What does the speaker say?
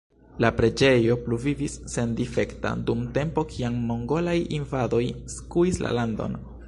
La preĝejo pluvivis sendifekta dum tempo kiam mongolaj invadoj skuis la landon.